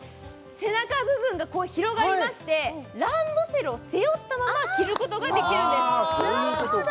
背中部分がこう広がりましてランドセルを背負ったまま着ることができるんですあなるほど！